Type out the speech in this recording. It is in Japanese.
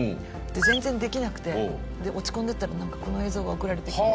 で全然できなくて落ち込んでたらなんかこの映像が送られてきて。